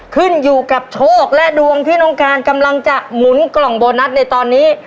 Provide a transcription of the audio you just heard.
ขึ้นอยู่กับโชคและดวงที่น้องการกำลังจะหมุนกล่องโบนัสในตอนนี้